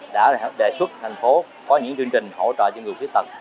đã đề xuất thành phố có những chương trình hỗ trợ cho người khuyết tật